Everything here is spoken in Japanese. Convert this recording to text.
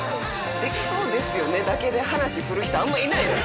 「できそうですよね？」だけで話振る人あんまいないです。